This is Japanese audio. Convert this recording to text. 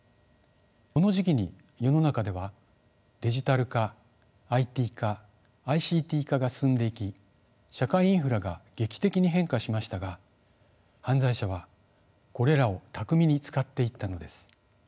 この時期に世の中ではデジタル化ＩＴ化ＩＣＴ化が進んでいき社会インフラが劇的に変化しましたが犯罪者はこれらを巧みに使っていったのです。